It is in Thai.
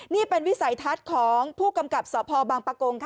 นี่เป็นวิสัยทัศน์ของผู้กำกับสพบางปะโกงค่ะ